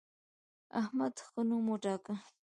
احمد ښه نوم وګاټه.